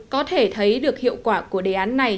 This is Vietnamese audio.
có thể thấy được hiệu quả của đề án này